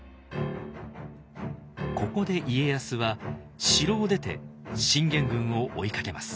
ここで家康は城を出て信玄軍を追いかけます。